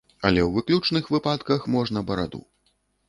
Але ў выключных выпадках можна бараду.